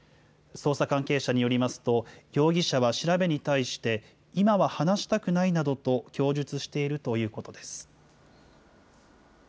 捜査関係者によりますと、容疑者は調べに対して、今は話したくないなどと供述しているということです。